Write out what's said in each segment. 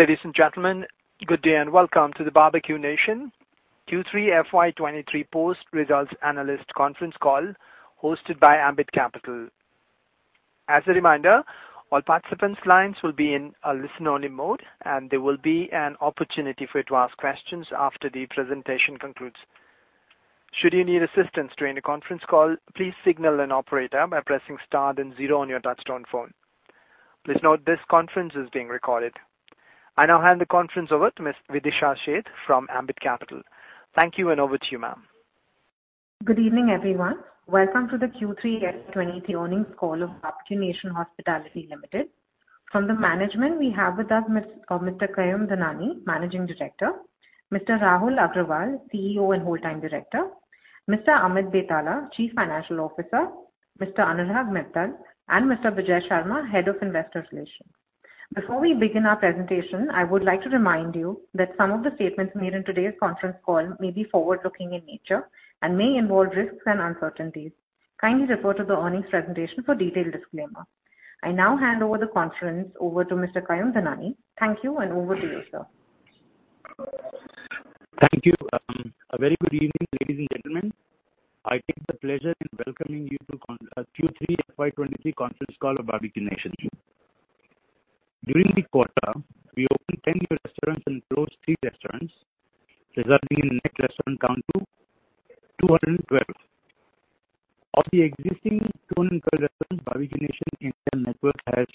Ladies and gentlemen, good day and welcome to the Barbeque Nation Q3 FY 2023 post results analyst conference call hosted by Ambit Capital. As a reminder, all participants' lines will be in a listen-only mode, and there will be an opportunity for you to ask questions after the presentation concludes. Should you need assistance during the conference call, please signal an operator by pressing star then zero on your touchtone phone. Please note this conference is being recorded. I now hand the conference over to Ms. Videesha Sheth from Ambit Capital. Thank you. Over to you, ma'am. Good evening, everyone. Welcome to the Q3 FY23 earnings call of Barbeque-Nation Hospitality Ltd. From the management, we have with us Mr. Kayum Dhanani, Managing Director, Mr. Rahul Agrawal, CEO and Whole-Time Director, Mr. Amit Betala, Chief Financial Officer, Mr. Anurag Mittal, and Mr. Bijay Sharma, Head of Investor Relations. Before we begin our presentation, I would like to remind you that some of the statements made in today's conference call may be forward-looking in nature and may involve risks and uncertainties. Kindly refer to the earnings presentation for detailed disclaimer. I now hand over the conference over to Mr. Kayum Dhanani. Thank you, and over to you, sir. Thank you. A very good evening, ladies and gentlemen. I take the pleasure in welcoming you to Q3 FY23 conference call of Barbeque Nation. During the quarter, we opened 10 new restaurants and closed three restaurants, resulting in net restaurant count to 212. Of the existing 212 restaurants, Barbeque Nation India network has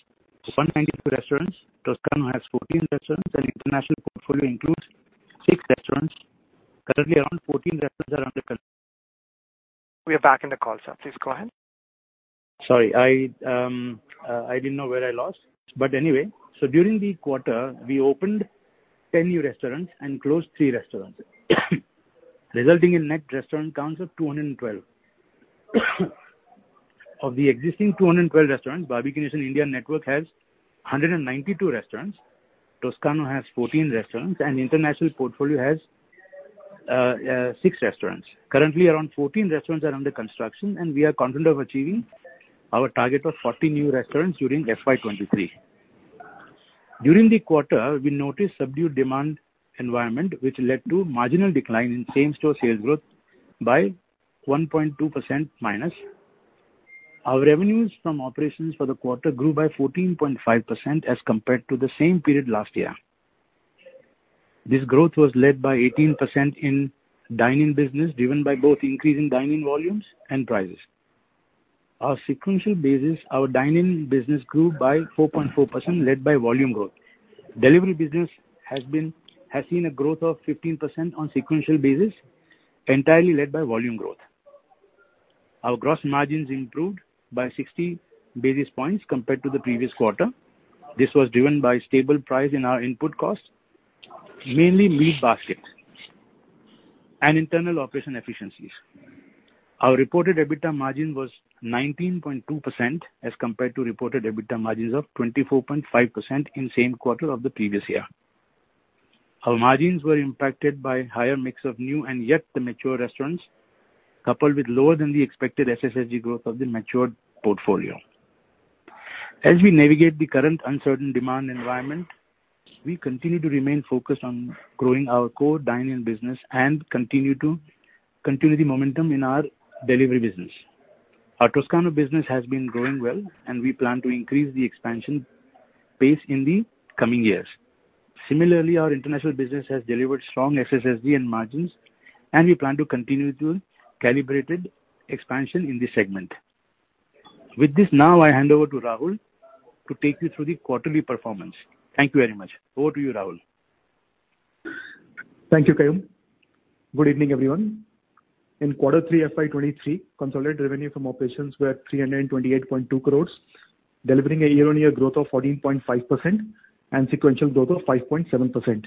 192 restaurants, Toscano has 14 restaurants, and international portfolio includes six restaurants. Currently, around 14 restaurants are under We are back in the call, sir. Please go ahead. Sorry, I didn't know where I lost. During the quarter, we opened 10 new restaurants and closed three restaurants, resulting in net restaurant counts of 212. Of the existing 212 restaurants, Barbeque Nation India network has 192 restaurants, Toscano has 14 restaurants, and international portfolio has six restaurants. Currently, around 14 restaurants are under construction, and we are confident of achieving our target of 40 new restaurants during FY 2023. During the quarter, we noticed subdued demand environment, which led to marginal decline in same-store sales growth by -1.2%. Our revenues from operations for the quarter grew by 14.5% as compared to the same period last year. This growth was led by 18% in dine-in business, driven by both increase in dine-in volumes and prices. Our sequential basis, our dine-in business grew by 4.4% led by volume growth. Delivery business has seen a growth of 15% on sequential basis, entirely led by volume growth. Our gross margins improved by 60 basis points compared to the previous quarter. This was driven by stable price in our input costs, mainly meat basket, and internal operation efficiencies. Our reported EBITDA margin was 19.2% as compared to reported EBITDA margins of 24.5% in same quarter of the previous year. Our margins were impacted by higher mix of new and yet the mature restaurants, coupled with lower than the expected SSSG growth of the matured portfolio. As we navigate the current uncertain demand environment, we continue to remain focused on growing our core dine-in business and continue the momentum in our delivery business. Our Toscano business has been growing well, and we plan to increase the expansion pace in the coming years. Similarly, our international business has delivered strong SSSG and margins, and we plan to continue to calibrated expansion in this segment. With this, now I hand over to Rahul to take you through the quarterly performance. Thank you very much. Over to you, Rahul. Thank you, Kayum. Good evening, everyone. In Q3 FY 2023, consolidated revenue from operations were 328.2 crores, delivering a year-on-year growth of 14.5% and sequential growth of 5.7%.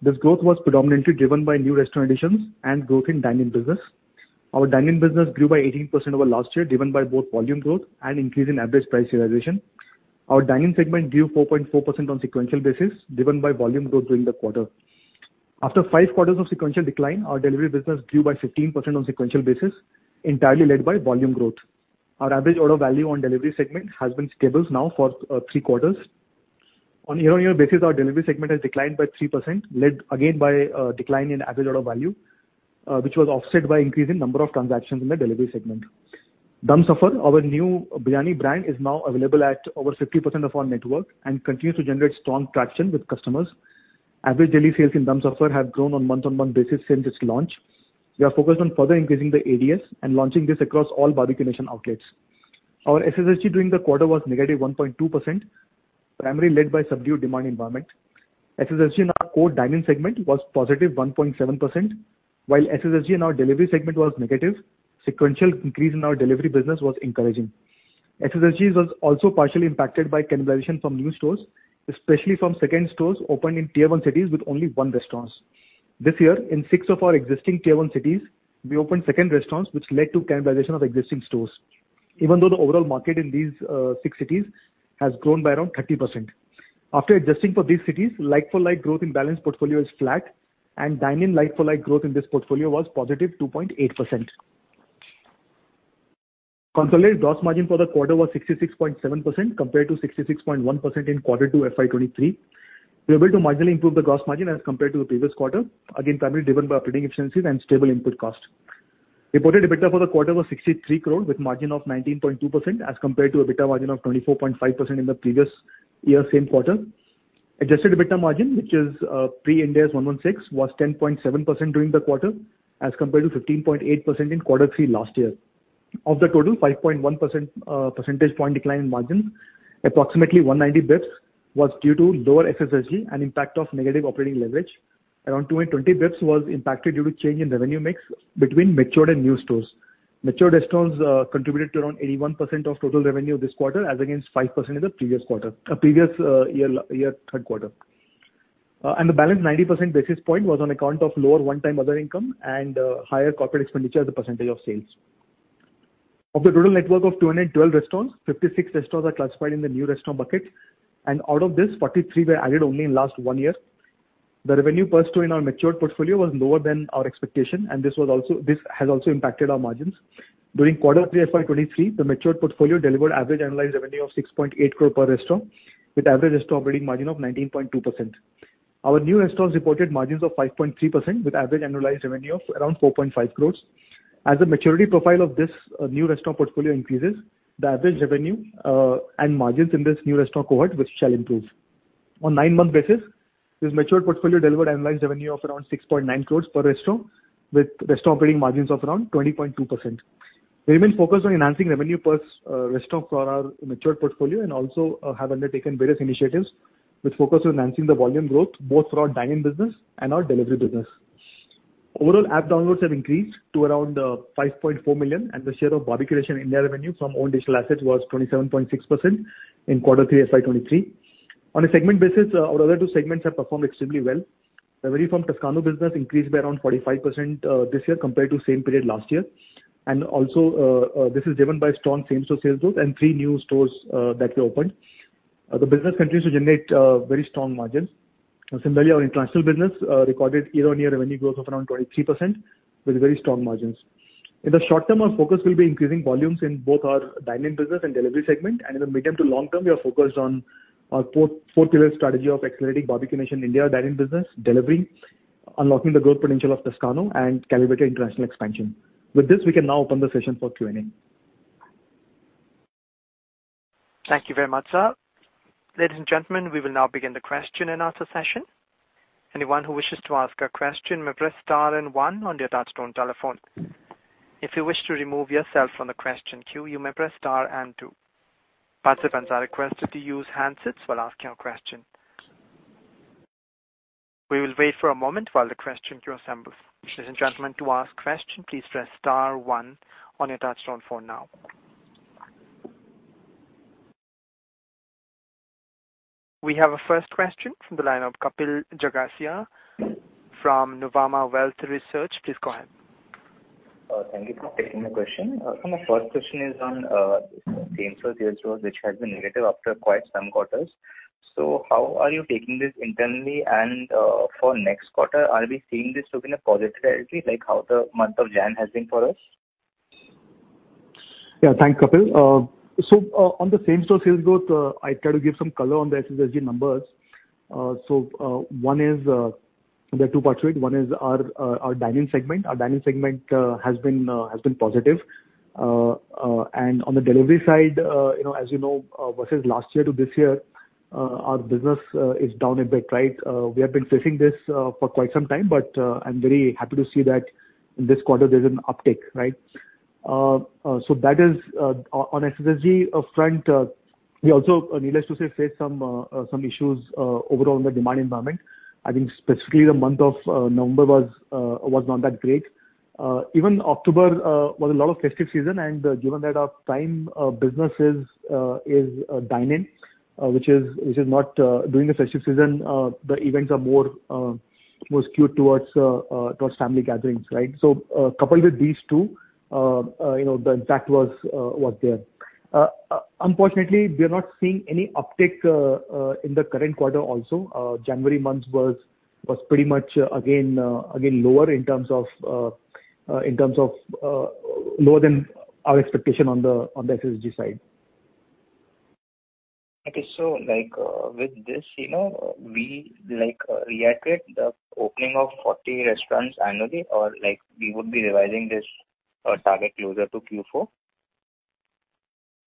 This growth was predominantly driven by new restaurant additions and growth in dine-in business. Our dine-in business grew by 18% over last year, driven by both volume growth and increase in average price realization. Our dine-in segment grew 4.4% on sequential basis, driven by volume growth during the quarter. After five quarters of sequential decline, our delivery business grew by 15% on sequential basis, entirely led by volume growth. Our average order value on delivery segment has been stable now for three quarters. On year-on-year basis, our delivery segment has declined by 3%, led again by decline in average order value, which was offset by increase in number of transactions in the delivery segment. Dum Safar, our new biryani brand, is now available at over 50% of our network and continues to generate strong traction with customers. Average daily sales in Dum Safar have grown on month-on-month basis since its launch. We are focused on further increasing the ADS and launching this across all Barbeque Nation outlets. Our SSSG during the quarter was negative 1.2%, primarily led by subdued demand environment. SSSG in our core dine-in segment was positive 1.7%, while SSSG in our delivery segment was negative. Sequential increase in our delivery business was encouraging. SSSGs was also partially impacted by cannibalization from new stores, especially from second stores opened in tier 1 cities with only 1 restaurants. This year, in six of our existing tier 1 cities, we opened second restaurants, which led to cannibalization of existing stores, even though the overall market in these six cities has grown by around 30%. After adjusting for these cities, like-for-like growth in balanced portfolio is flat, and dine-in like-for-like growth in this portfolio was positive 2.8%. Consolidated gross margin for the quarter was 66.7% compared to 66.1% in 2Q FY 2023. We were able to marginally improve the gross margin as compared to the previous quarter, again, primarily driven by operating efficiencies and stable input cost. Reported EBITDA for the quarter was 63 crore with margin of 19.2% as compared to EBITDA margin of 24.5% in the previous year same quarter. Adjusted EBITDA margin, which is pre-Ind AS 116, was 10.7% during the quarter as compared to 15.8% in quarter three last year. Of the total 5.1% percentage point decline in margins, approximately 190 basis points was due to lower SSSG and impact of negative operating leverage. Around 220 basis points was impacted due to change in revenue mix between matured and new stores. Matured restaurants contributed to around 81% of total revenue this quarter as against 5% in the previous year, 2Q. The balance 90 percent basis point was on account of lower one-time other income and higher corporate expenditure as a % of sales. Of the total network of 212 restaurants, 56 restaurants are classified in the new restaurant bucket, and out of this, 43 were added only in last one year. The revenue per store in our matured portfolio was lower than our expectation, this has also impacted our margins. During Q3 FY 2023, the matured portfolio delivered average annualized revenue of 6.8 crore per restaurant, with average restaurant operating margin of 19.2%. Our new restaurants reported margins of 5.3% with average annualized revenue of around 4.5 crores. As the maturity profile of this new restaurant portfolio increases, the average revenue and margins in this new restaurant cohort which shall improve. On nine-month basis, this matured portfolio delivered annualized revenue of around 6.9 crores per restaurant with restaurant operating margins of around 20.2%. We remain focused on enhancing revenue per restaurant for our matured portfolio and also have undertaken various initiatives which focus on enhancing the volume growth both for our dine-in business and our delivery business. Overall, app downloads have increased to around 5.4 million, and the share of Barbeque Nation India revenue from own digital assets was 27.6% in Q3 FY23. On a segment basis, our other two segments have performed extremely well. Revenue from Toscano business increased by around 45% this year compared to same period last year. This is driven by strong same-store sales growth and three new stores that we opened. The business continues to generate very strong margins. Similarly, our international business recorded year-on-year revenue growth of around 23% with very strong margins. In the short term, our focus will be increasing volumes in both our dine-in business and delivery segment. In the medium to long term, we are focused on our four-pillar strategy of accelerating Barbeque Nation India dine-in business, delivery, unlocking the growth potential of Toscano, and calibrated international expansion. We can now open the session for Q&A. Thank you very much, sir. Ladies and gentlemen, we will now begin the question and answer session. Anyone who wishes to ask a question may press star and one on their touchtone telephone. If you wish to remove yourself from the question queue, you may press star and two. Participants are requested to use handsets while asking your question. We will wait for a moment while the question queue assembles. Ladies and gentlemen, to ask question, please press star one on your touchtone phone now. We have our first question from the line of Kapil Jagasia from Nuvama Wealth Research. Please go ahead. Thank you for taking the question. My first question is on same-store sales growth, which has been negative after quite some quarters. How are you taking this internally? For next quarter, are we seeing this look in a positivity, like how the month of Jan has been for us? Yeah. Thanks, Kapil. On the same-store sales growth, I try to give some color on the SSSG numbers. One is there are two parts to it. One is our dine-in segment. Our dine-in segment has been positive. On the delivery side, you know, as you know, versus last year to this year, our business is down a bit, right? We have been facing this for quite some time, I'm very happy to see that in this quarter there's an uptick, right? That is on SSSG front, we also, needless to say, face some issues overall in the demand environment. I think specifically the month of November was not that great. Even October was a lot of festive season, and given that our prime business is dine-in, which is not. During the festive season, the events are more skewed towards family gatherings, right? Coupled with these two, you know, the impact was there. Unfortunately, we are not seeing any uptick in the current quarter also. January month was pretty much again lower in terms of lower than our expectation on the SSSG side. Okay. like, with this, you know, we like reiterate the opening of 40 restaurants annually or like we would be revising this, target closer to Q4?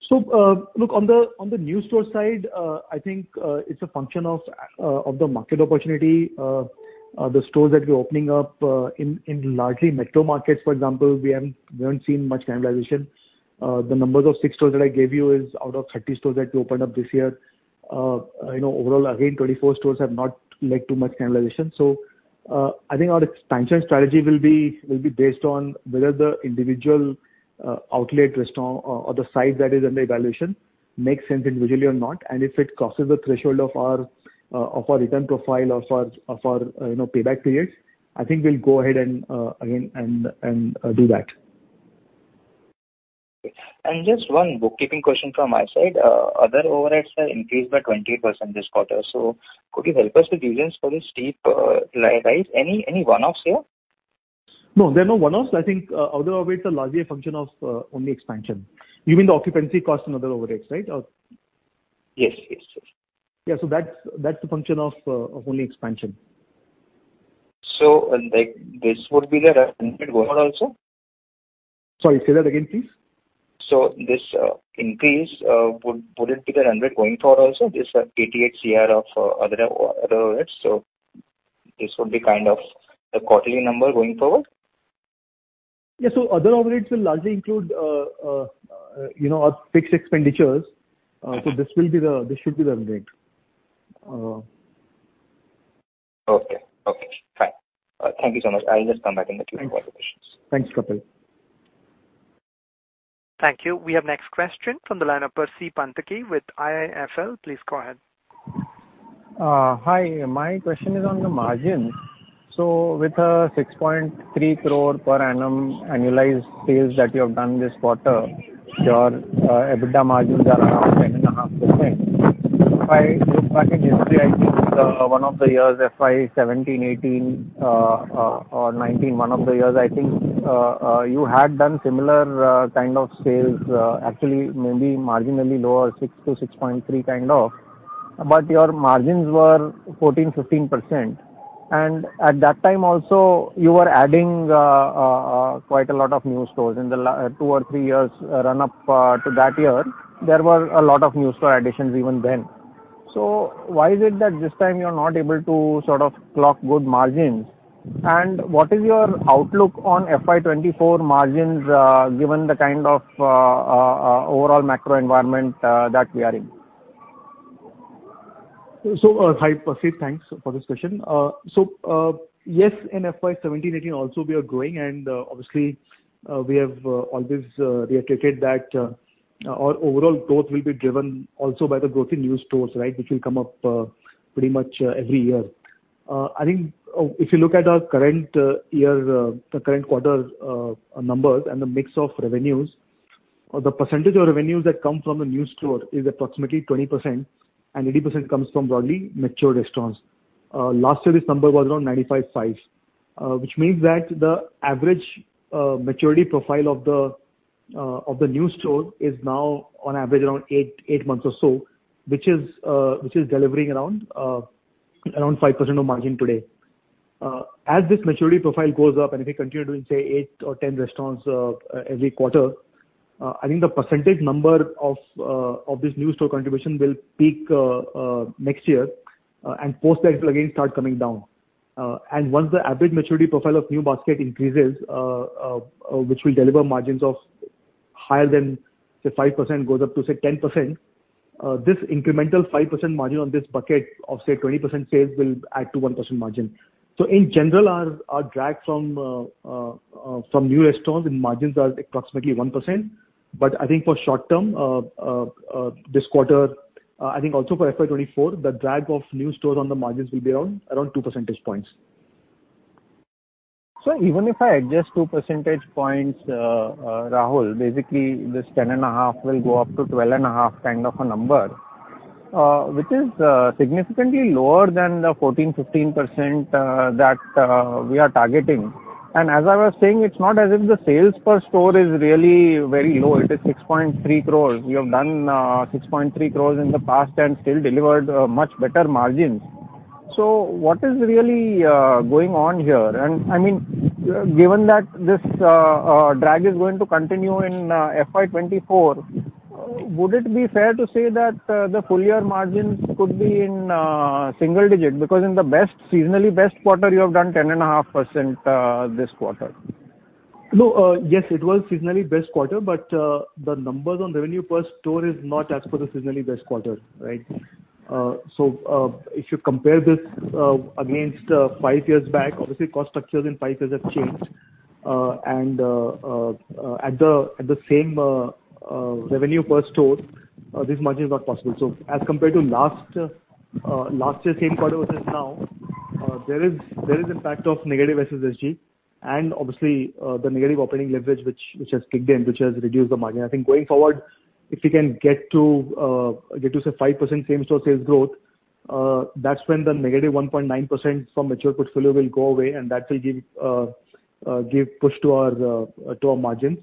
Look, on the, on the new store side, I think it's a function of the market opportunity. The stores that we're opening up in largely metro markets, for example, we haven't seen much cannibalization. The numbers of six stores that I gave you is out of 30 stores that we opened up this year. You know, overall, again, 24 stores have not leaked too much cannibalization. I think our expansion strategy will be based on whether the individual outlet restaurant or the site that is under evaluation makes sense individually or not. If it crosses the threshold of our return profile or for, you know, payback periods, I think we'll go ahead and again and do that. Just one bookkeeping question from my side. Other overheads are increased by 20% this quarter. Could you help us with reasons for this steep rise? Any one-offs here? No, they're not one-offs. I think, other overheads are largely a function of, only expansion. Even the occupancy cost and other overheads, right? Yes. Yes, yes. Yeah, that's a function of only expansion. like, this would be the run rate going also? Sorry, say that again, please. This increase would it be the run rate going forward also, this 88 crore of other overheads? This would be kind of the quarterly number going forward? Yeah. Other overheads will largely include, you know, our fixed expenditures. This will be this should be the run rate. Okay. Okay. Fine. Thank you so much. I'll just come back in the queue for other questions. Thanks, Kapil. Thank you. We have next question from the line of Percy Panthaki with IIFL. Please go ahead. Hi. My question is on the margins. With a 6.3 crore per annum annualized sales that you have done this quarter, your EBITDA margins are around 10.5%. If I look back in history, I think one of the years, FY 2017, 2018, or 2019, one of the years, I think you had done similar kind of sales, actually maybe marginally lower, 6-6.3 crore kind of, but your margins were 14%, 15%. At that time also, you were adding quite a lot of new stores. In the two or three years run up to that year, there were a lot of new store additions even then. Why is it that this time you're not able to sort of clock good margins? What is your outlook on FY 2024 margins, given the kind of, overall macro environment, that we are in? Hi, Percy. Thanks for this question. Yes, in FY 2017, 2018 also we are growing and obviously we have always reiterated that our overall growth will be driven also by the growth in new stores, right? Which will come up pretty much every year. I think if you look at our current year, the current quarter numbers and the mix of revenues, the percentage of revenues that come from the new store is approximately 20% and 80% comes from broadly mature restaurants. Last year this number was around 95.5, which means that the average maturity profile of the new store is now on average around eight months or so, which is delivering around 5% of margin today. As this maturity profile goes up, and if we continue doing, say, eight or 10 restaurants every quarter, I think the percentage number of this new store contribution will peak next year, and post that it'll again start coming down. Once the average maturity profile of new basket increases, which will deliver margins of higher than, say, 5%, goes up to, say, 10%, this incremental 5% margin on this bucket of, say, 20% sales will add to 1% margin. In general, our drag from new restaurants in margins are approximately 1%. I think for short term, this quarter, I think also for FY 2024, the drag of new stores on the margins will be around two percentage points. Even if I adjust two percentage points, Rahul, basically this 10.5 will go up to 12.5 kind of a number, which is significantly lower than the 14%-15% that we are targeting. As I was saying, it's not as if the sales per store is really very low. It is 6.3 crores. You have done 6.3 crores in the past and still delivered much better margins. What is really going on here? I mean, given that this drag is going to continue in FY 2024, would it be fair to say that the full year margins could be in single digit? Because seasonally best quarter, you have done 10.5% this quarter. No, yes, it was seasonally best quarter, but the numbers on revenue per store is not as per the seasonally best quarter, right? If you compare this against five years back, obviously cost structures in five years have changed. At the same revenue per store, this margin is not possible. As compared to last year same quarter versus now, there is impact of negative SSSG, and obviously, the negative operating leverage which has kicked in, which has reduced the margin. I think going forward, if we can get to, say, 5% same-store sales growth, that's when the negative 1.9% from mature portfolio will go away, and that will give push to our margins.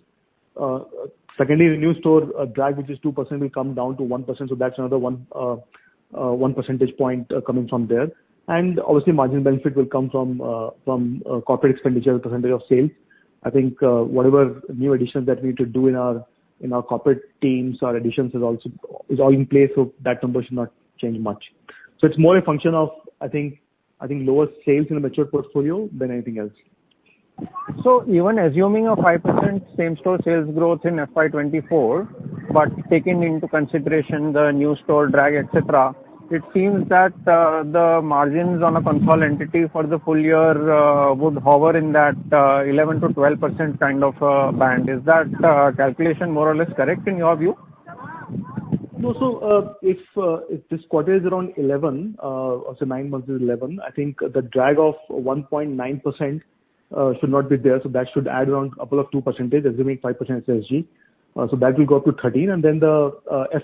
Secondly, the new store drag, which is 2%, will come down to 1%. That's another one percentage point coming from there. Obviously margin benefit will come from corporate expenditure percentage of sales. I think, whatever new additions that we need to do in our corporate teams or additions is all in place, so that number should not change much. It's more a function of, I think, lower sales in a mature portfolio than anything else. Even assuming a 5% Same-Store Sales Growth in FY 2024, but taking into consideration the new store drag, et cetera, it seems that the margins on a consolidated entity for the full year would hover in that 11%-12% kind of band. Is that calculation more or less correct in your view? If, if this quarter is around 11, or say nine months is 11, I think the drag of 1.9% should not be there. That should add around 2%, assuming 5% SSSG. That will go up to 13. Then the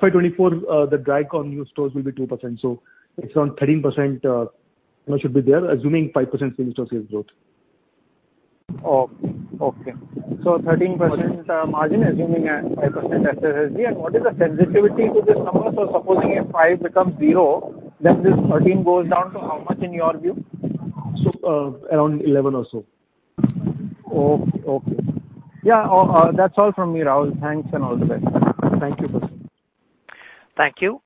FY 2024, the drag on new stores will be 2%. It's around 13%, you know, should be there, assuming 5% Same-Store Sales Growth. Oh, okay. 13% margin, assuming a 5% SSSG. What is the sensitivity to this number? Supposing if five becomes zero, then this 13 goes down to how much in your view? around 11 or so. Okay. Okay. Yeah. That's all from me, Rahul. Thanks and all the best. Thank you. Thank you.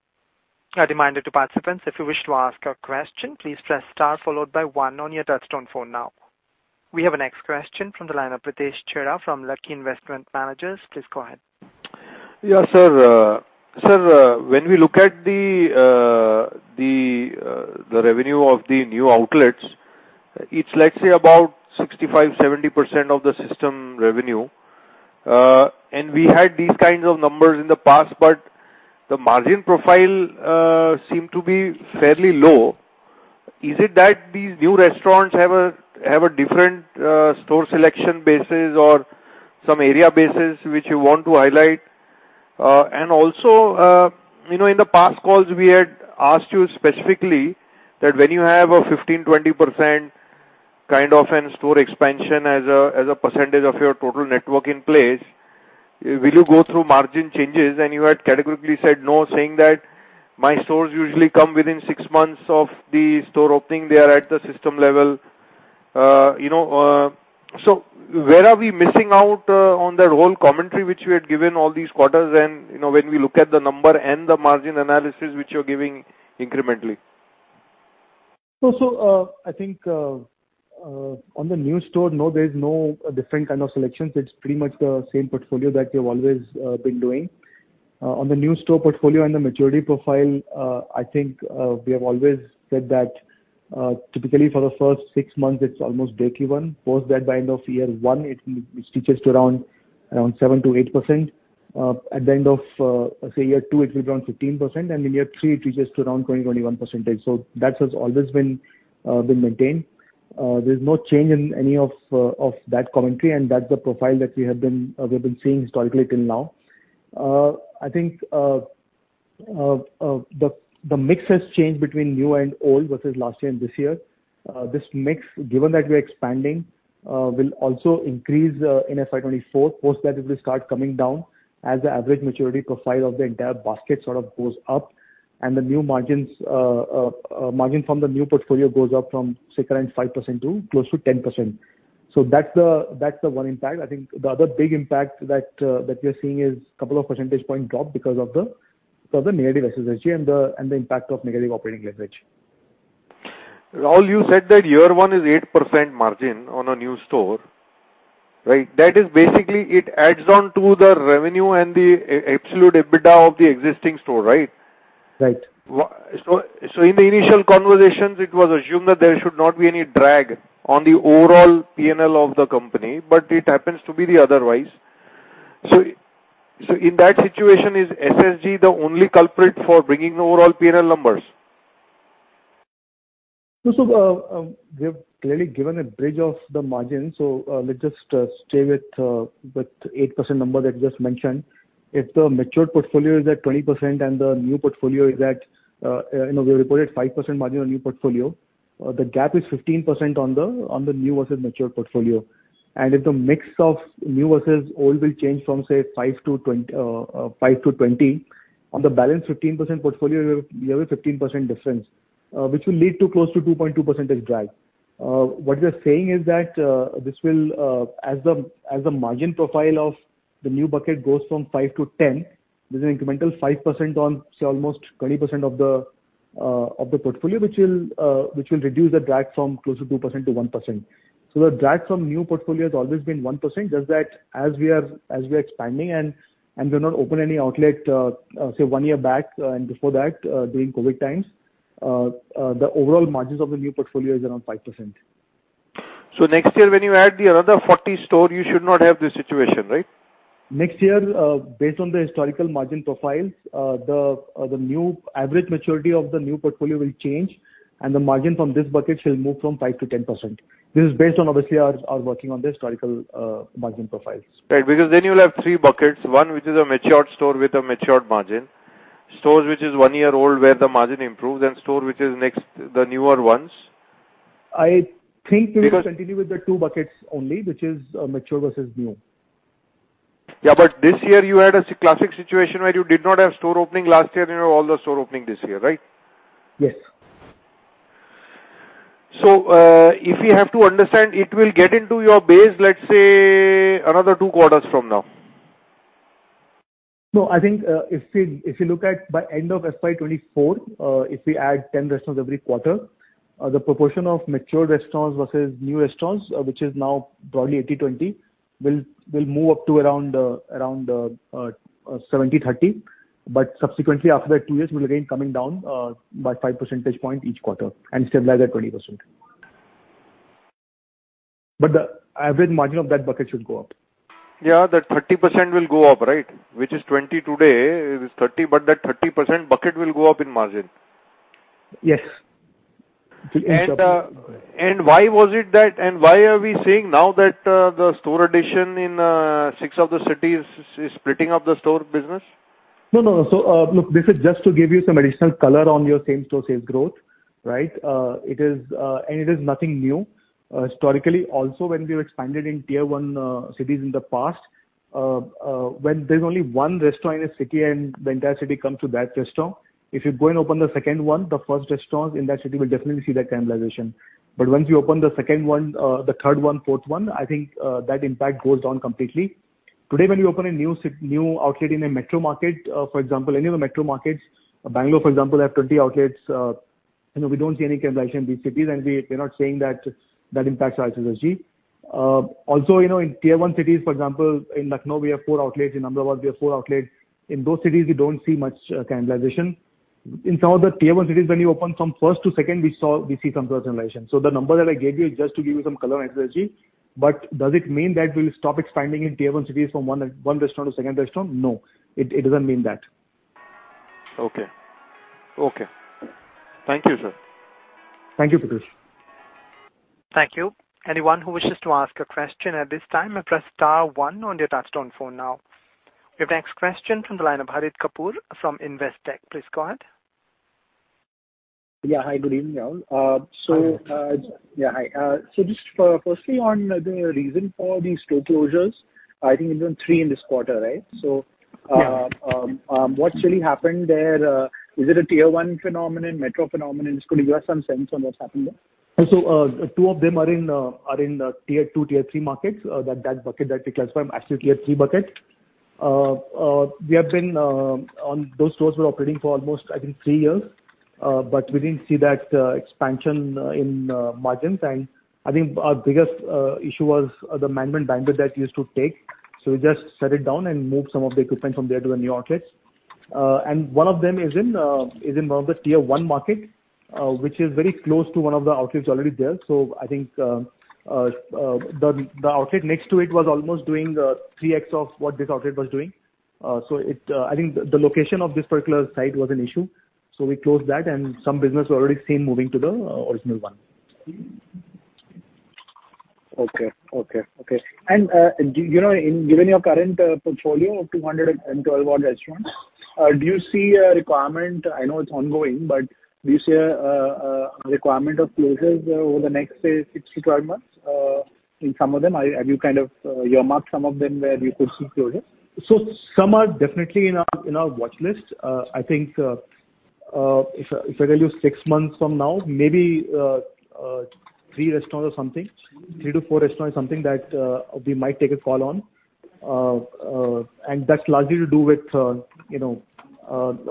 A reminder to participants, if you wish to ask a question, please press star followed by one on your touchtone phone now. We have a next question from the line of Pritesh Chheda from Lucky Investment Managers. Please go ahead. Yeah, sir. Sir, when we look at the revenue of the new outlets, it's let's say about 65%, 70% of the system revenue. We had these kinds of numbers in the past, but the margin profile seemed to be fairly low. Is it that these new restaurants have a different store selection basis or some area basis which you want to highlight? Also, you know, in the past calls, we had asked you specifically that when you have a 15%, 20% kind of an store expansion as a percentage of your total network in place, will you go through margin changes? You had categorically said no, saying that my stores usually come within 6 months of the store opening. They are at the system level. You know, where are we missing out on that whole commentary, which we had given all these quarters and, you know, when we look at the number and the margin analysis which you're giving incrementally? I think, on the new store, no, there is no different kind of selections. It's pretty much the same portfolio that we have always been doing. On the new store portfolio and the maturity profile, I think, we have always said that, typically for the first six months it's almost break even. Post that by end of year one, it reaches to around 7%-8%. At the end of, say year two, it will be around 15%, and in year three it reaches to around 20%-21%. That has always been maintained. There's no change in any of that commentary, and that's the profile that we have been seeing historically till now. I think the mix has changed between new and old versus last year and this year. This mix, given that we're expanding, will also increase in FY 2024. Post that it will start coming down as the average maturity profile of the entire basket sort of goes up and the new margins, margin from the new portfolio goes up from say current 5% to close to 10%. That's the one impact. I think the other big impact that we are seeing is couple of percentage point drop because of the negative SSSG and the impact of negative operating leverage. Rahul, you said that year one is 8% margin on a new store, right? That is basically it adds on to the revenue and the e-absolute EBITDA of the existing store, right? Right. In the initial conversations, it was assumed that there should not be any drag on the overall P&L of the company, but it happens to be the otherwise. In that situation, is SSSG the only culprit for bringing overall P&L numbers? We have clearly given a bridge of the margin, let's just stay with 8% number that you just mentioned. If the mature portfolio is at 20% and the new portfolio is at, you know, we reported 5% margin on new portfolio, the gap is 15% on the new versus mature portfolio. If the mix of new versus old will change from, say, five to 20, on the balance 15% portfolio, we have a 15% difference, which will lead to close to 2.2 percentage drag. What we are saying is that this will as the margin profile of the new bucket goes from five to 10, there's an incremental 5% on, say, almost 20% of the portfolio, which will reduce the drag from close to 2% to 1%. The drag from new portfolio has always been 1%. Just that as we are expanding and we've not opened any outlet, say one year back, and before that, during COVID times, the overall margins of the new portfolio is around 5%. Next year when you add the another 40 store, you should not have this situation, right? Next year, based on the historical margin profiles, the new average maturity of the new portfolio will change and the margin from this bucket shall move from 5% to 10%. This is based on obviously our working on the historical, margin profiles. Right. Because then you'll have three buckets. One which is a matured store with a matured margin, stores which is one year old, where the margin improves, and store which is next, the newer ones. I think we will continue- Because- With the two buckets only, which is mature versus new. Yeah, this year you had a classic situation where you did not have store opening last year and you have all the store opening this year, right? Yes. If we have to understand, it will get into your base, let's say another two quarters from now. I think, if we, if you look at by end of FY 2024, if we add 10 restaurants every quarter, the proportion of mature restaurants versus new restaurants, which is now broadly 80/20, will move up to around, 70/30. Subsequently after that two years, we'll again coming down, by five percentage point each quarter and stabilize at 20%. The average margin of that bucket should go up. Yeah, that 30% will go up, right? Which is 20% today, it is 30%, but that 30% bucket will go up in margin. Yes. Why was it that, and why are we saying now that, the store addition in, six of the cities is splitting up the store business? No, no. Look, this is just to give you some additional color on your same-store sales growth, right? It is nothing new. Historically, also, when we expanded in Tier 1 cities in the past, when there's only one restaurant in a city and the entire city comes to that restaurant, if you go and open the second one, the first restaurant in that city will definitely see that cannibalization. Once you open the second one, the third one, fourth one, I think that impact goes down completely. Today, when you open a new outlet in a metro market, for example, any of the metro markets, Bangalore, for example, have 20 outlets, you know, we're not saying that that impacts our SSSG. Also, you know, in Tier One cities, for example, in Lucknow, we have four outlets, in Ahmedabad we have four outlets. In those cities, we don't see much cannibalization. In some of the Tier One cities, when you open from 1st to 2nd, we see some cannibalization. The number that I gave you is just to give you some color on SSSG. Does it mean that we'll stop expanding in Tier One cities from one restaurant to second restaurant? No, it doesn't mean that. Okay. Okay. Thank you, sir. Thank you, Pritesh. Thank you. Anyone who wishes to ask a question at this time may press star one on your touchtone phone now. Your next question from the line of Harit Kapoor from Investec. Please go ahead. Yeah, hi, good evening, y'all. Firstly, on the reason for these store closures, I think it's been three in this quarter, right? Yeah. What actually happened there? Is it a Tier 1 phenomenon, metro phenomenon? Could you give us some sense on what's happened there? Two of them are in the Tier Two, Tier Three markets. That bucket that we classify as a Tier Three bucket. We have been on those stores we're operating for almost, I think, three years. But we didn't see that expansion in margins. I think our biggest issue was the management bandwidth that we used to take. We just shut it down and moved some of the equipment from there to the new outlets. One of them is in one of the Tier One market, which is very close to one of the outlets already there. I think the outlet next to it was almost doing 3x of what this outlet was doing. It, I think the location of this particular site was an issue, so we closed that, and some business already seen moving to the original one. Okay. Okay. Okay. Do you know, in, given your current portfolio of 212 odd restaurants, do you see a requirement, I know it's ongoing, but do you see a requirement of closures over the next, say, six to 12 months, in some of them? Have you kind of earmarked some of them where you could see closures? Some are definitely in our watchlist. I think if I tell you six months from now, maybe three restaurants or something. Three to four restaurants is something that we might take a call on. And that's largely to do with, you know,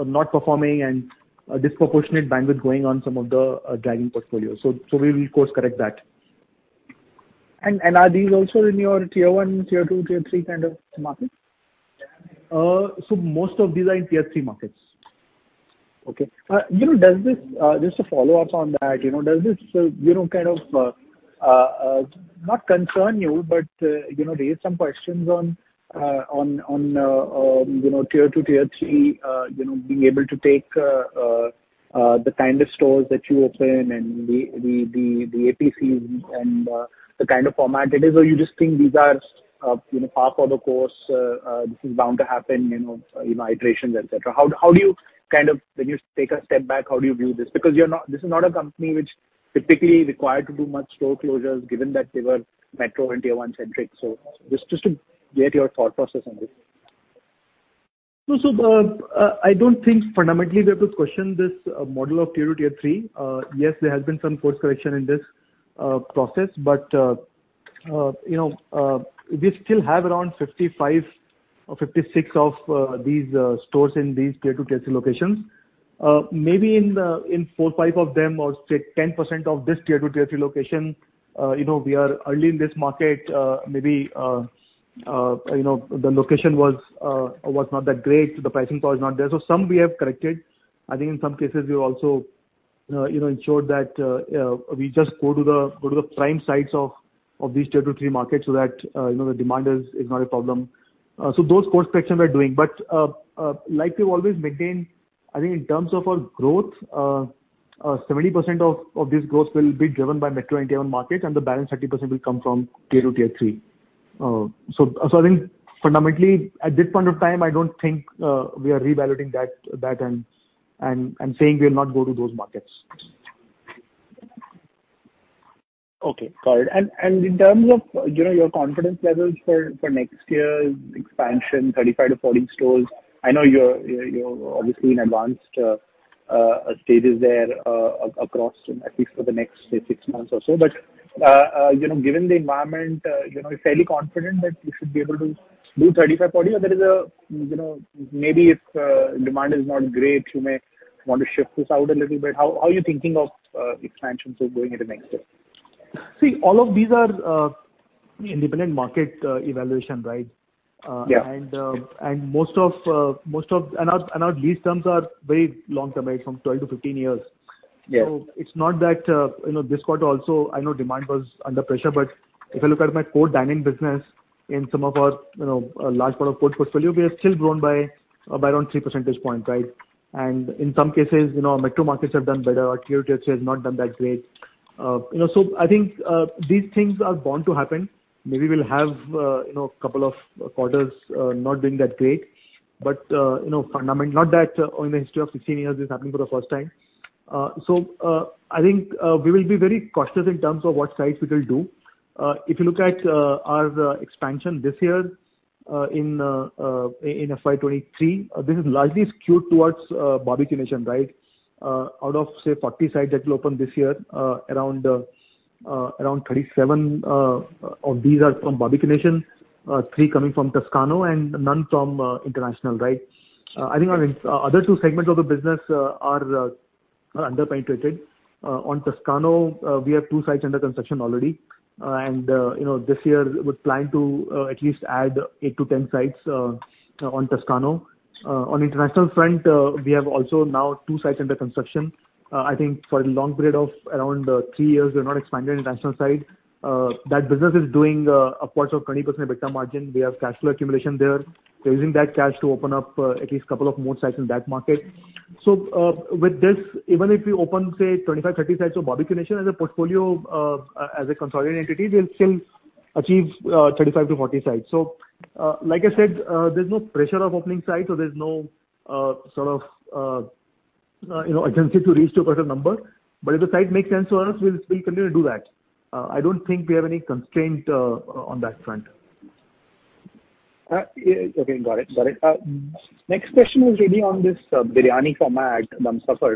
not performing and a disproportionate bandwidth going on some of the dining portfolio. We will course correct that. And are these also in your Tier 1, Tier 2, Tier 3 kind of markets? most of these are in Tier 3 markets. Okay. You know, does this, just a follow-up on that. You know, does this, you know, kind of, not concern you, but, you know, raise some questions on, you know, Tier 2, Tier 3, you know, being able to take, the kind of stores that you open and the APC and, the kind of format it is? You just think these are, you know, par for the course, this is bound to happen, you know, in iterations, et cetera? How, how do you, kind of, when you take a step back, how do you view this? Because you're not, this is not a company which typically required to do much store closures given that they were metro and Tier 1 centric. Just to get your thought process on this. I don't think fundamentally we have to question this model of Tier 2, Tier 3. Yes, there has been some course correction in this process, but, you know, we still have around 55 or 56 of these stores in these Tier 2, Tier 3 locations. Maybe in four, five of them or say 10% of this Tier 2, Tier 3 location, you know, we are early in this market. Maybe, you know, the location was not that great. The pricing power is not there. Some we have corrected. I think in some cases we have also, you know, ensured that, we just go to the prime sites of these Tier 2, Tier 3 markets so that, you know, the demand is not a problem. Those course correction we are doing. Like we've always maintained, I think in terms of our growth, 70% of this growth will be driven by metro and Tier 1 markets, and the balance 30% will come from Tier 2, Tier 3. I think fundamentally, at this point of time, I don't think, we are reevaluating that and saying we'll not go to those markets. Okay. Got it. In terms of, you know, your confidence levels for next year's expansion, 35 to 40 stores. I know you're obviously in advanced stages there across, at least for the next, say, six months or so. You know, given the environment, you know, you're fairly confident that you should be able to do 35, 40 or there is a, you know, maybe if demand is not great, you may want to shift this out a little bit. How are you thinking of expansions or going into next year? See, all of these are independent market evaluation, right? Yeah. Our lease terms are very long-term, right? From 12-15 years. Yeah. It's not that, you know, this quarter also, I know demand was under pressure, but if I look at my core dining business in some of our, you know, a large part of core portfolio, we have still grown by around three percentage points, right. In some cases, you know, metro markets have done better. Our Tier 2, Tier 3 has not done that great. You know, I think these things are bound to happen. Maybe we'll have, you know, a couple of quarters not doing that great. You know, not that in the history of 16 years this is happening for the first time. I think we will be very cautious in terms of what sites we will do. If you look at our expansion this year, in FY 2023, this is largely skewed towards Barbeque Nation, right? Out of, say, 40 sites that will open this year, around 37 of these are from Barbeque Nation, three coming from Toscano and none from International, right? I think our other two segments of the business are under-penetrated. On Toscano, we have two sites under construction already. You know, this year we're planning to at least add eight to 10 sites on Toscano. On international front, we have also now two sites under construction. I think for a long period of around three years, we have not expanded international side. That business is doing, upwards of 20% EBITDA margin. We have cash flow accumulation there. We're using that cash to open up, at least a couple of more sites in that market. With this, even if we open, say, 25, 30 sites of Barbeque Nation as a portfolio, as a consolidated entity, we'll still achieve, 35-40 sites. Like I said, there's no pressure of opening sites or there's no, sort of, you know, urgency to reach to a certain number. But if the site makes sense to us, we'll continue to do that. I don't think we have any constraint, on that front. Yeah. Okay, got it. Got it. Next question is really on this biryani format, Dum Safar.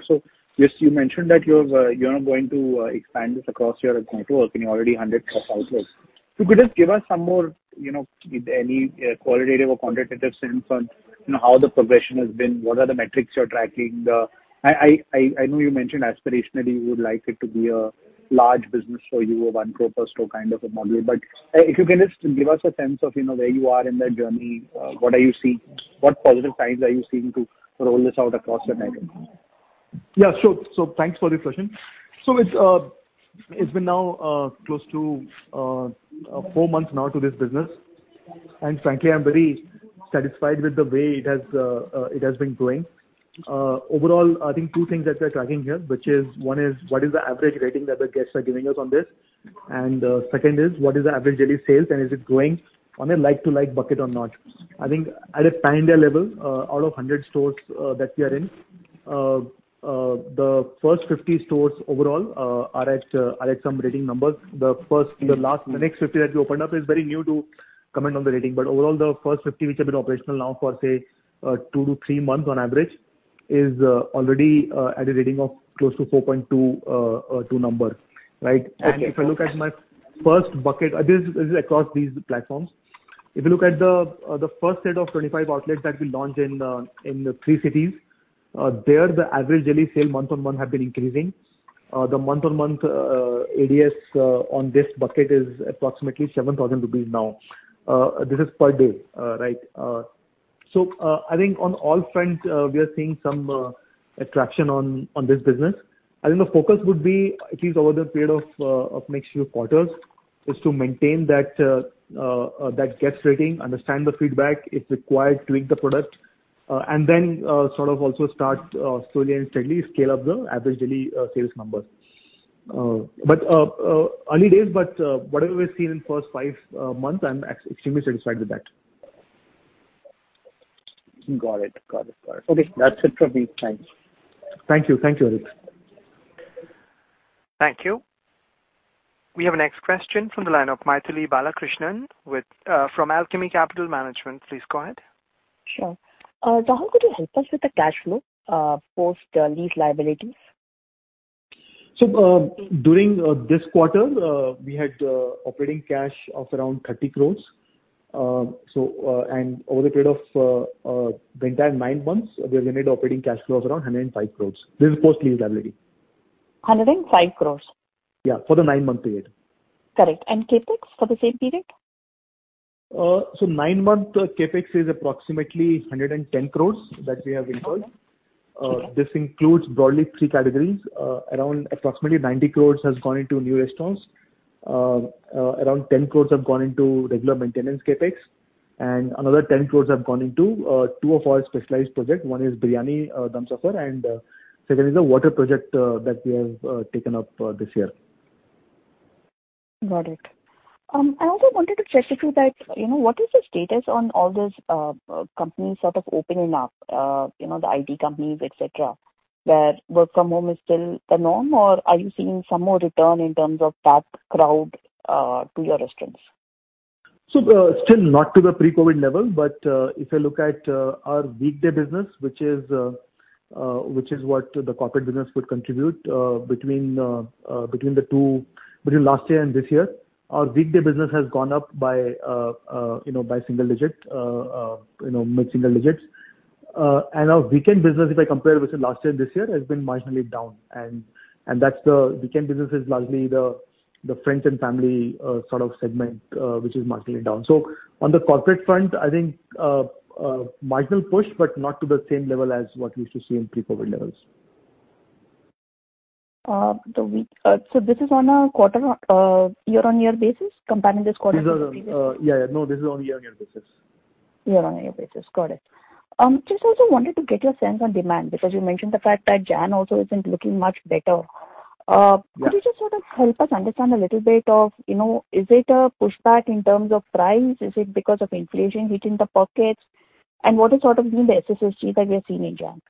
Just you mentioned that you're now going to expand this across your network and you're already 100+ outlets. If you could just give us some more, you know, any qualitative or quantitative sense on, you know, how the progression has been, what are the metrics you're tracking. I know you mentioned aspirationally you would like it to be a large business for you, a 1 crore store kind of a model. If you can just give us a sense of, you know, where you are in that journey, what are you seeing? What positive signs are you seeing to roll this out across your network? Yeah, sure. Thanks for the question. It's been now close to four months now to this business. Frankly, I'm very satisfied with the way it has been growing. Overall, I think two things that we are tracking here, which is one is what is the average rating that the guests are giving us on this, and second is what is the average daily sales and is it growing on a like-to-like bucket or not? I think at a high level, out of 100 stores that we are in, the first 50 stores overall are at some rating numbers. The first, the last, the next 50 that we opened up is very new to comment on the rating. Overall, the first 50, which have been operational now for, say, two to three months on average, is already at a rating of close to 4.2, right? Okay. If I look at my first bucket, this is across these platforms. If you look at the first set of 25 outlets that we launched in the three cities, there the average daily sale month-on-month have been increasing. The month-on-month ADS on this bucket is approximately 7,000 rupees now. This is per day, right? I think on all fronts, we are seeing some attraction on this business. I think the focus would be at least over the period of next few quarters, is to maintain that guest rating, understand the feedback, if required, tweak the product, and then sort of also start slowly and steadily scale up the average daily sales numbers. Early days, but what we've seen in first five months, I'm extremely satisfied with that. Got it. Got it. Got it. Okay. That's it from me. Thanks. Thank you. Thank you, Harit. Thank you. We have a next question from the line of Mythili Balakrishnan with, from Alchemy Capital Management. Please go ahead. Sure. Rahul, could you help us with the cash flow, post lease liabilities? During this quarter, we had operating cash of around 30 crores. Over the period of the entire nine months, we have made operating cash flow of around 105 crores. This is post lease liability. 105 crores? Yeah, for the nine-month period. Correct. CapEx for the same period? Nine-month CapEx is approximately 110 crores that we have incurred. Okay. This includes broadly three categories. Around approximately 90 crore has gone into new restaurants. Around 10 crore have gone into regular maintenance CapEx, and another 10 crore have gone into two of our specialized projects. One is Biryani Dum Safar, and second is a water project that we have taken up this year. Got it. I also wanted to check with you that, you know, what is the status on all those companies sort of opening up, you know, the IT companies, et cetera, where work from home is still the norm, or are you seeing some more return in terms of that crowd to your restaurants? still not to the pre-COVID level, but if you look at our weekday business, which is what the corporate business would contribute, between the two, between last year and this year, our weekday business has gone up by, you know, by single digit, you know, mid-single digits. our weekend business, if I compare versus last year and this year, has been marginally down. that's the weekend business is largely the friends and family sort of segment, which is marginally down. on the corporate front, I think marginal push, but not to the same level as what we used to see in pre-COVID levels. This is on a quarter, year-on-year basis comparing this quarter to previous quarter. These are, Yeah, no, this is on year-on-year basis. Year-on-year basis. Got it. Just also wanted to get your sense on demand, because you mentioned the fact that Jan also isn't looking much better. Yeah. Could you just sort of help us understand a little bit of, you know, is it a pushback in terms of price? Is it because of inflation hitting the pockets? What is sort of been the SSSG that we're seeing in January?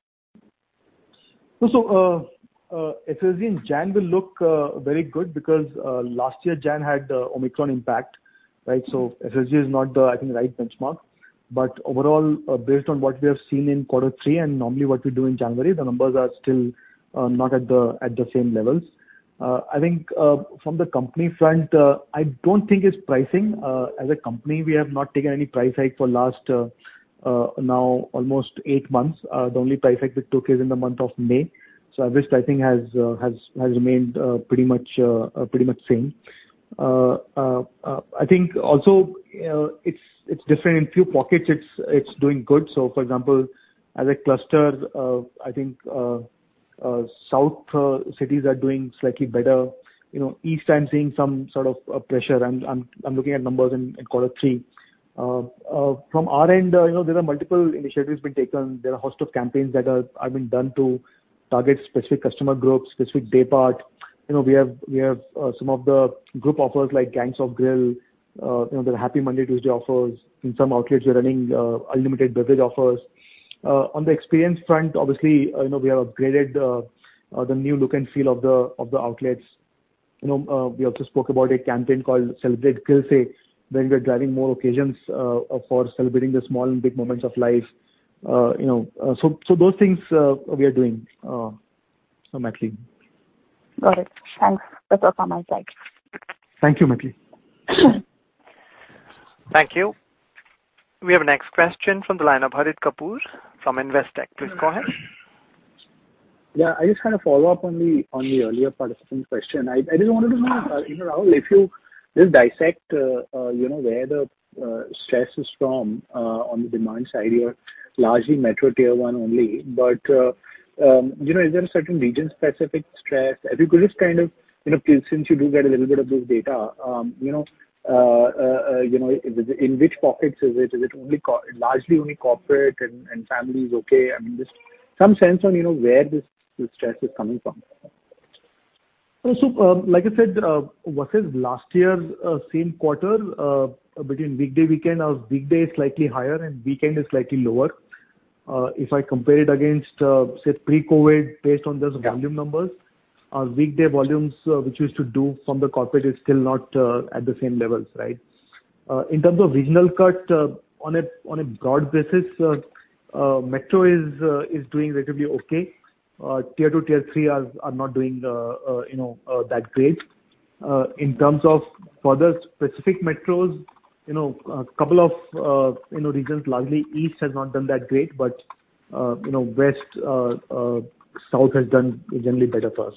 SSSG in Jan will look very good because last year Jan had the Omicron impact, right? SSSG is not the, I think, right benchmark. Overall, based on what we have seen in quarter three and normally what we do in January, the numbers are still not at the same levels. I think, from the company front, I don't think it's pricing. As a company, we have not taken any price hike for last now almost eight months. The only price hike we took is in the month of May, so at which I think has remained pretty much same. I think also, it's different. In few pockets it's doing good. For example, as a cluster, I think south cities are doing slightly better. You know, east I'm seeing some sort of pressure. I'm looking at numbers in quarter three. From our end, you know, there are multiple initiatives being taken. There are a host of campaigns that are being done to target specific customer groups, specific day part. You know, we have some of the group offers like Gangs of Grill, you know, the Happy Monday, Tuesday offers. In some outlets we are running unlimited beverage offers. On the experience front, obviously, you know, we have upgraded the new look and feel of the outlets. You know, we also spoke about a campaign called Celebrate Grills, where we are driving more occasions for celebrating the small and big moments of life. You know, those things we are doing, so Mythili. Got it. Thanks. That's all from my side. Thank you, Mythili. Thank you. We have next question from the line of Harit Kapoor from Investec. Please go ahead. Yeah, I just wanna follow up on the, on the earlier participant's question. I just wanted to know, you know, Rahul, if you just dissect, you know, where the stress is from, on the demand side, you're largely metro tier one only. You know, is there a certain region-specific stress? If you could just kind of, you know, since you do get a little bit of this data, you know, in which pockets is it? Is it only largely only corporate and families okay? I mean, just some sense on, you know, where this stress is coming from. Like I said, versus last year's, same quarter, between weekday, weekend, our weekday is slightly higher and weekend is slightly lower. If I compare it against, say pre-COVID based on just volume numbers. Yeah. Our weekday volumes, which used to do from the corporate is still not at the same levels, right. In terms of regional cut on a broad basis, metro is doing relatively okay. Tier 2, Tier 3 are not doing, you know, that great. In terms of further specific metros, you know, a couple of, you know, regions, largely east has not done that great, but, you know, west, south has done generally better for us.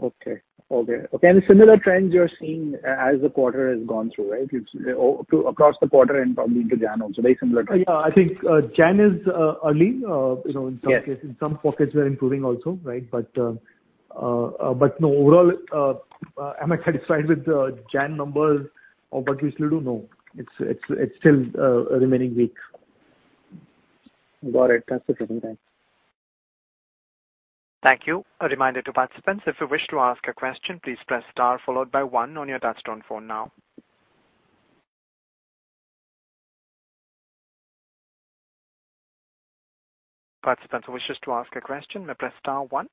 Okay. Okay. Okay. Similar trends you are seeing as the quarter has gone through, right? It's across the quarter and probably into Jan also, very similar trends. I think, Jan is early. Yes. in some cases, in some pockets we are improving also, right? No, overall, am I satisfied with the Jan numbers of what we used to do? No. It's still remaining weak. Got it. That's it from my side. Thank you. A reminder to participants, if you wish to ask a question, please press star followed by one on your touch-tone phone now. Participant who wishes to ask a question may press star one.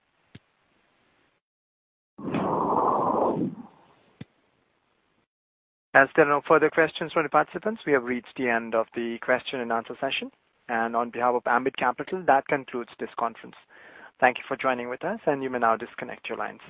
As there are no further questions from the participants, we have reached the end of the question and answer session. On behalf of Ambit Capital, that concludes this conference. Thank you for joining with us, and you may now disconnect your lines.